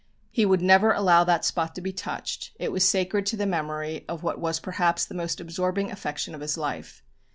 He would never allow that spot to be touched, it was sacred to the memory of what was perhaps the most absorbing affection of his life.